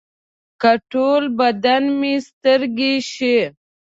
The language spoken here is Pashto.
که ټول بدن مې سترګې شي.